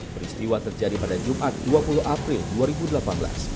peristiwa terjadi pada jumat dua puluh april dua ribu delapan belas